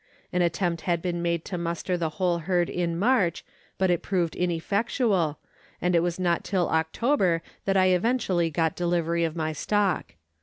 An attempt had been made to muster the whole herd in March, but it proved ineffectual, and it was not till October that I eventually got delivery of my stock.